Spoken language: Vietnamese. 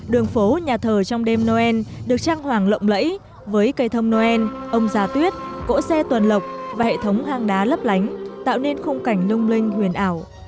đường phố nhà thờ trong đêm noel được trang hoàng lộng lẫy với cây thông noel ông già tuyết cỗ xe tuần lọc và hệ thống hang đá lấp lánh tạo nên khung cảnh lung linh huyền ảo